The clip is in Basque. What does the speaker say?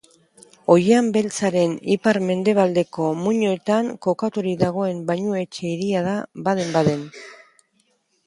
Oihan Beltzaren ipar-mendebaldeko muinoetan kokaturik dagoen bainu-etxe hiria da Baden-Baden.